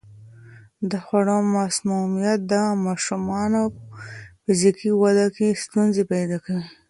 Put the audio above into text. د خوړو مسمومیت د ماشومانو په فزیکي وده کې ستونزې پیدا کوي.